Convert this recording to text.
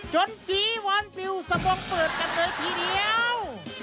จนกี่วันปิวสมงค์เปิดกันเลยทีเดียว